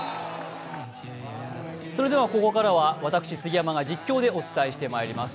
それではここからは私、杉山が実況でお伝えしてまいります。